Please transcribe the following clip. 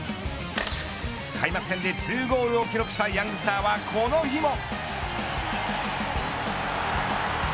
開幕戦で２ゴールを記録したヤングスターはこの日も。